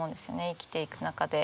生きていく中で。